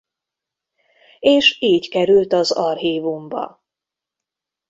És így került az archívumba.